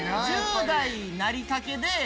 １０代なりかけで。